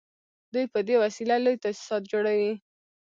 دوی په دې وسیله لوی تاسیسات جوړوي